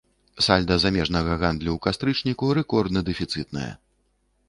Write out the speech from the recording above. Сальда замежнага гандлю ў кастрычніку рэкордна дэфіцытнае.